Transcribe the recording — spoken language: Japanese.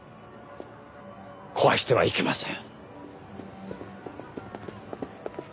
壊してはいけません。